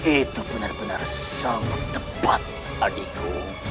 itu benar benar sangat tepat adiku